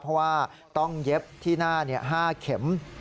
เพราะว่าต้องเย็บที่หน้า๕เข็ม